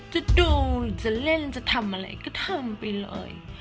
จะดูหรือจะเล่นจะทำอะไรก็ทำไปเลย